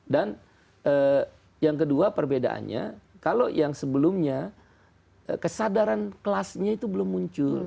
dan yang kedua perbedaannya kalau yang sebelumnya kesadaran kelasnya itu belum muncul